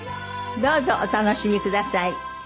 どうぞお楽しみください。